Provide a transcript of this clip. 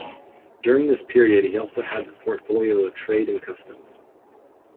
During this period he also had the portfolio of Trade and Customs.